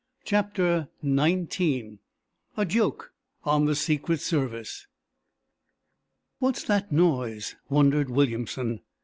CHAPTER XIX A JOKE ON THE SECRET SERVICE! "What's that noise?" wondered Williamson.